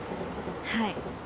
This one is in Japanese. はい。